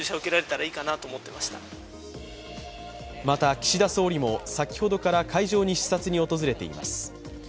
また岸田総理も先ほどから会場に視察に訪れています。